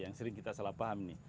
yang sering kita salah paham nih